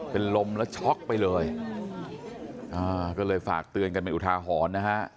เป็นลมแล้วช็อกไปเลยอ่าก็เลยฝากเตือนกันเป็นอุทาหรณ์นะฮะ